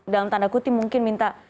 dalam tanda kutip mungkin minta